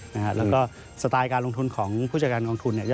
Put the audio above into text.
แล้วก็สไตล์การลงทุนของผู้จัดการกองทุนเนี่ย